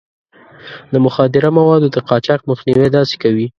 د مخدره موادو د قاچاق مخنيوی داسې کوي.